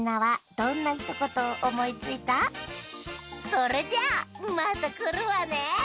それじゃあまたくるわね。